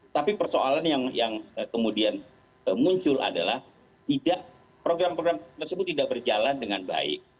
tapi persoalan yang kemudian muncul adalah program program tersebut tidak berjalan dengan baik